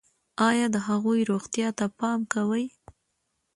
ایا د هغوی روغتیا ته پام کوئ؟